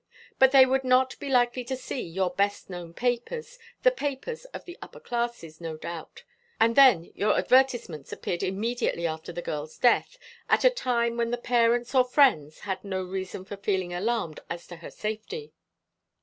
But they would not be likely to see your best known papers the papers of the upper classes, no doubt. And then your advertisements appeared immediately after the girl's death; at a time when the parents or friends had no reason for feeling alarmed as to her safety."